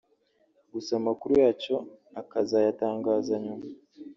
gusa amakuru yacyo akazayatangaza nyuma